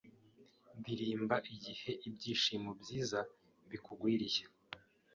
ndirimba igiheIbyishimo byiza bikugwiririye